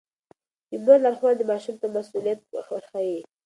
د مور لارښوونه ماشوم ته مسووليت ورښيي.